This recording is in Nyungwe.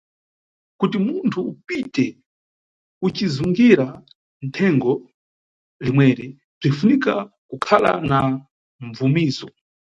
Kuti munthu upite ucizungira thengo limweri, bzinʼfunika kukhala na mʼbvumizo.